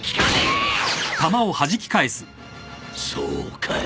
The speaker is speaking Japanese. そうかい。